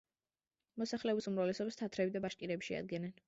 მოსახლეობის უმრავლესობას თათრები და ბაშკირები შეადგენენ.